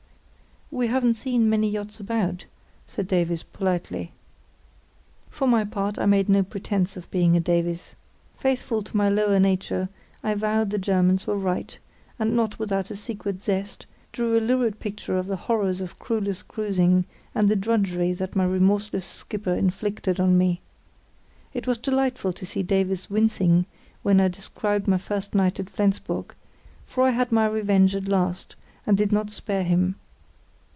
"We haven't seen many yachts about, said Davies, politely. For my part, I made no pretence of being a Davies. Faithful to my lower nature, I vowed the Germans were right, and, not without a secret zest, drew a lurid picture of the horrors of crewless cruising, and the drudgery that my remorseless skipper inflicted on me. It was delightful to see Davies wincing when I described my first night at Flensburg, for I had my revenge at last, and did not spare him.